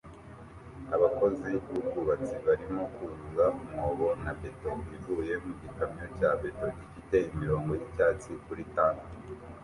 Abakozi b'ubwubatsi barimo kuzuza umwobo na beto ivuye mu gikamyo cya beto gifite imirongo y'icyatsi kuri tank